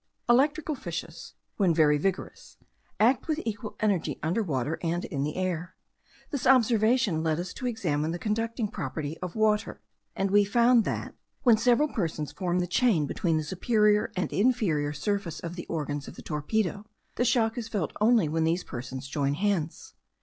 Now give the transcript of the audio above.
Electrical fishes, when very vigorous, act with equal energy under water and in the air. This observation led us to examine the conducting property of water; and we found that, when several persons form the chain between the superior and inferior surface of the organs of the torpedo, the shock is felt only when these persons join hands.